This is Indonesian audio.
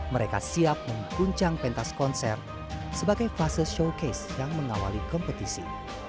mereka siap mengguncang pentas konser sebagai fase showcase yang mengawali kompetisi